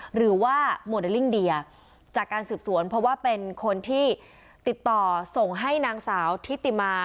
หรือว่าโมเดลลิ่งเดียจากการสืบสวนเพราะว่าเป็นคนที่ติดต่อส่งให้นางสาวทิติมา